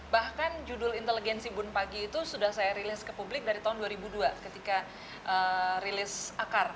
bahkan judul inteligensi bunpagi itu sudah saya rilis ke publik dari tahun dua ribu dua ketika rilis akar